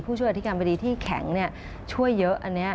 ช่วยอธิการบดีที่แข็งช่วยเยอะอันนี้